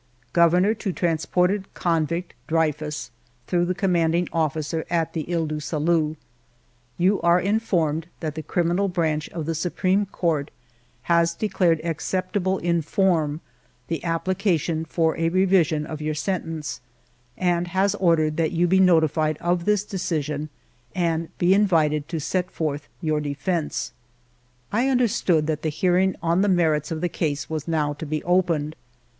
Governor to transported convict Dreyfus, through the commanding officer at the lies du Salut :" You are informed that the Criminal Branch of the Supreme Court has declared acceptable in form the application for a revision of your sen tence and has ordered that you be notified of this decision and be invited to set forth your defence." I understood that the hearing on the merits of the case was now to be opened.